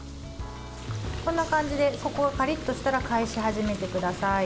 こんな感じで底がカリッとしたら返し始めてください。